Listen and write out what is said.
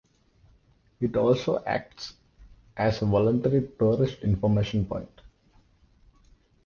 It also acts as a voluntary tourist information point.